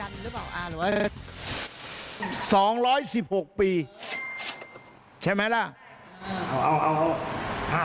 มีวันจันทร์รึเปล่าอาหรือว่า